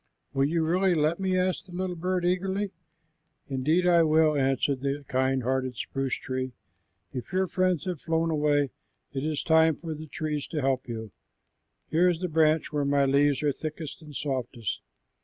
"Will you really let me?" asked the little bird eagerly. "Indeed, I will," answered the kind hearted spruce tree. "If your friends have flown away, it is time for the trees to help you. Here is the branch where my leaves are thickest and softest."